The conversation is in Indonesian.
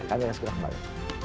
kami akan segera kembali